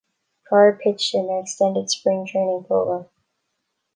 Prior pitched in their extended spring training program.